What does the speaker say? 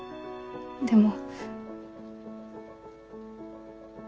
でも。